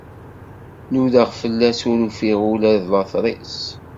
Nudaɣ fell-as, ur ufiɣ ula d later-is.